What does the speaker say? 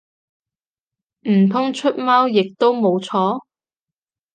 唔通出貓亦都冇錯？